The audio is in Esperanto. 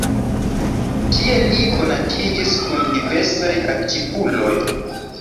Tie li konatiĝis kun diversaj aktivuloj.